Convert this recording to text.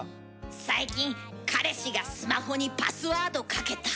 最近彼氏がスマホにパスワードかけた。